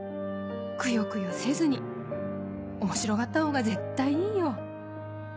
くよくよせずに面白がったほうが絶対いいよ。